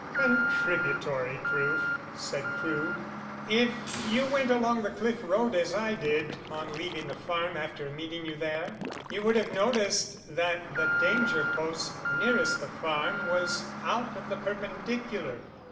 "Contributory proof," said Crewe. "If you went along the cliff road, as I did on leaving the farm after meeting you there, you would have noticed that the danger post nearest the farm was out of the perpendicular.